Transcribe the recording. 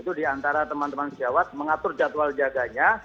itu diantara teman teman sejawat mengatur jadwal jaganya